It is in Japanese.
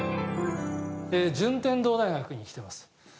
順天堂大学に来ています。